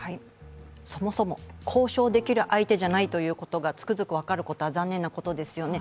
そもそも交渉できる相手じゃないということがつくづく分かることは残念なことですよね。